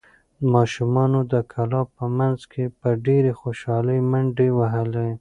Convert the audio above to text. ماشومانو د کلا په منځ کې په ډېرې خوشحالۍ منډې وهلې.